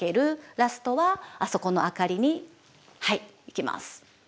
ラストはあそこの明かりに行きます。